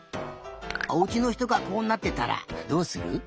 おうちのひとがこうなってたらどうする？